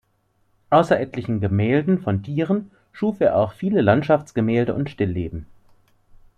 Außer etlichen Gemälden von Tieren schuf er auch viele Landschaftsgemälde und Stillleben.